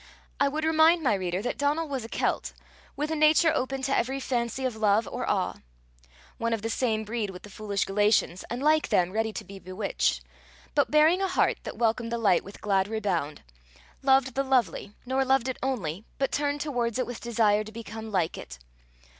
I would remind my reader that Donal was a Celt, with a nature open to every fancy of love or awe one of the same breed with the foolish Galatians, and like them ready to be bewitched; but bearing a heart that welcomed the light with glad rebound loved the lovely, nor loved it only, but turned towards it with desire to become like it.